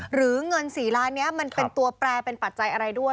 หรือเงิน๔ล้านนี้มันเป็นตัวแปลเป็นปัจจัยอะไรด้วย